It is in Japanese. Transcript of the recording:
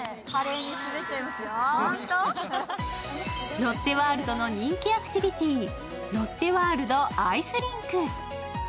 ロッテワールドの人気アクティビティ、ロッテワールドアイスリンク。